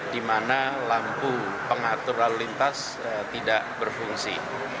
di mana lampu pengatur lalu lintas tidak berfungsi